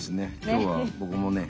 今日は僕もね